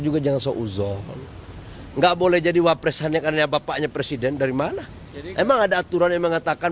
juga jangan seuzon nggak boleh jadi wapresan yang adanya bapaknya presiden dari mana emang ada aturan